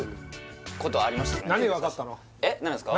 何ですか？